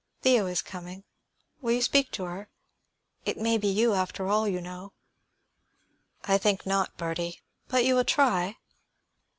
Theo is coming; will you speak to her? It may be you, after all, you know." "I think not, Bertie." "But you will try?"